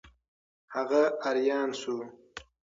هغه آریان شو.